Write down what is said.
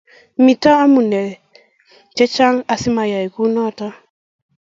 Miten amune chechang asimeyay kunoto